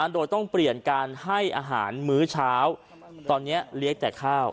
โดยต้องเปลี่ยนการให้อาหารมื้อเช้าตอนนี้เลี้ยงแต่ข้าว